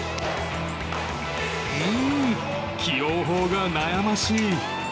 うーん、起用法が悩ましい。